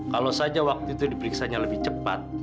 kalau saja waktu itu diperiksanya lebih cepat